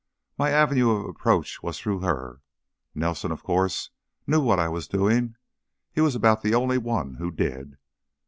My avenue of approach was through her. Nelson, of course, knew what I was doing; he was about the only one who did.